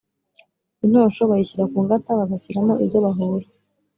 Intosho bayishyira ku ngata bagashyiramo ibyo bahura.